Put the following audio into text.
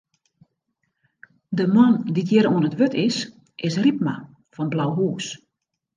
De man dy't hjir oan it wurd is, is Rypma fan Blauhûs.